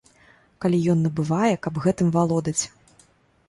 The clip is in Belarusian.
Калі ён набывае, каб гэтым валодаць.